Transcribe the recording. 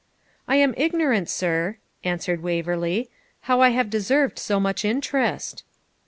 'I am ignorant, sir,' answered Waverley, 'how I have deserved so much interest.'